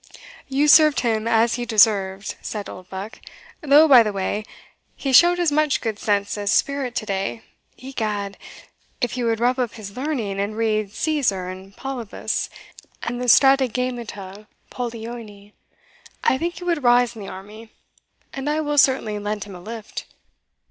"You served him as he deserved," said Oldbuck "though, by the way, he showed as much good sense as spirit to day Egad! if he would rub up his learning, and read Caesar and Polybus, and the Stratagemata Polyaeni, I think he would rise in the army and I will certainly lend him a lift."